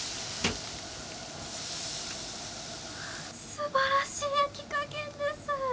素晴らしい焼き加減です。